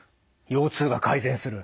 腰痛が改善する。